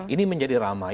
ini menjadi ramai